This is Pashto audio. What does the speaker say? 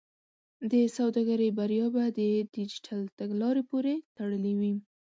د سوداګرۍ بریا به د ډیجیټل تګلارې پورې تړلې وي.